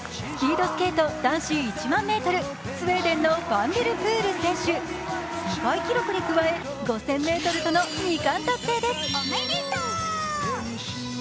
スヒードスケート男子１００００ｍ、スウェーデンのファンデルプール選手、世界記録に加え、５０００ｍとの２冠達成です。